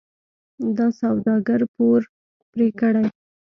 د سوداګر پور پرې کړي.